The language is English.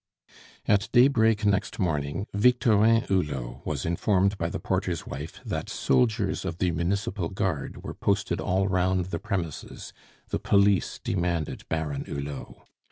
At daybreak next morning Victorin Hulot was informed by the porter's wife that soldiers of the municipal guard were posted all round the premises; the police demanded Baron Hulot.